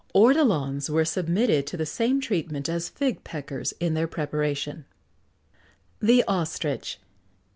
Ortolans were submitted to the same treatment as fig peckers in their preparation. THE OSTRICH.